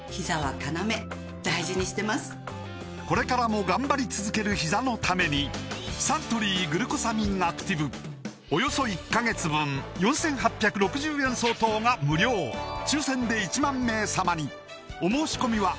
これからも頑張り続けるひざのためにおよそ１カ月分４８６０円相当が無料抽選で１万名様にお申し込みは